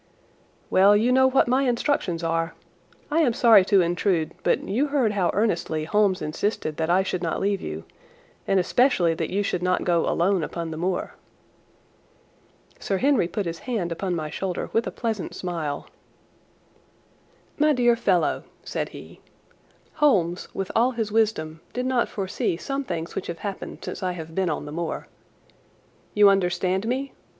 "Well, you know what my instructions are. I am sorry to intrude, but you heard how earnestly Holmes insisted that I should not leave you, and especially that you should not go alone upon the moor." Sir Henry put his hand upon my shoulder with a pleasant smile. "My dear fellow," said he, "Holmes, with all his wisdom, did not foresee some things which have happened since I have been on the moor. You understand me?